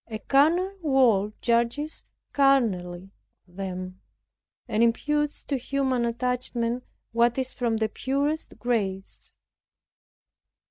A carnal world judges carnally of them, and imputes to human attachment what is from the purest grace.